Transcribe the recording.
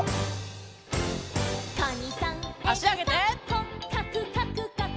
「こっかくかくかく」